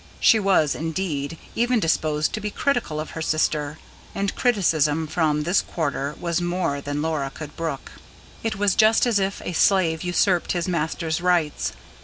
She was, indeed, even disposed to be critical of her sister; and criticism from this quarter was more than Laura could brook: it was just as if a slave usurped his master's rights.